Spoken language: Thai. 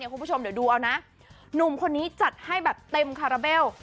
คุณผู้ชมเดี๋ยวดูเอานะหนุ่มคนนี้จัดให้แบบเต็มคาราเบล